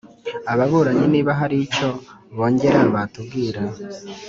ababuranyi niba hari icyo bongera batubwira